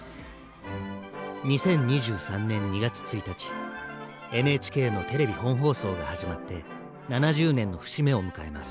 ２０２３年２月１日ＮＨＫのテレビ本放送が始まって７０年の節目を迎えます。